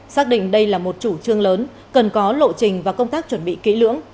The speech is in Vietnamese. xác định đây là một chủ trương lớn cần có lộ trình và công tác chuẩn bị kỹ lưỡng